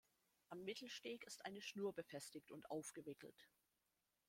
Am Mittelsteg ist eine Schnur befestigt und aufgewickelt.